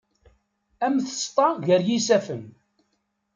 Am tseṭṭa gar yisaffen.